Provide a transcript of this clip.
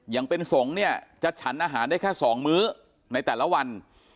อย่างเป็นสงฆ์เนี่ยจะฉันอาหารได้แค่๒มื้อในแต่ละวัน